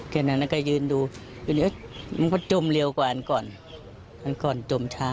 เพราะฉะนั้นก็ยืนดูมันก็จมเร็วกว่าอันก่อนอันก่อนจมช้า